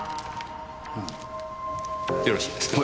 よろしいですか？